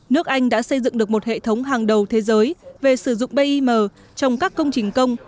nước anh đã xây dựng được một hệ thống hàng đầu thế giới về sử dụng bim trong các công trình công